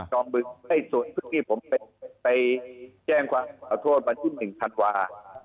จอมบึงในสวนพึ่งนี้ผมไปแจ้งความขอโทษวันที่หนึ่งธันวา